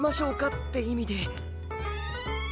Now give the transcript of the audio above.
って意味で。